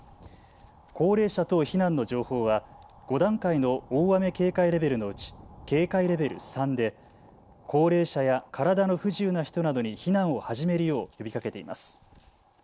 高齢者等避難の情報は５段階の大雨警戒レベルのうち警戒レベル３で高齢者や体の不自由な人などに避難を始めるよう呼びかけています。